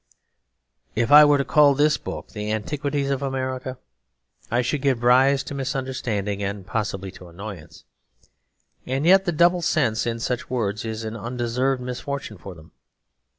If I were to call this book 'The Antiquities of America,' I should give rise to misunderstanding and possibly to annoyance. And yet the double sense in such words is an undeserved misfortune for them.